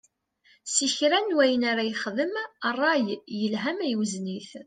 Si kra n wayen ara yexdem, ṛṛay, yelha ma iwzen-it.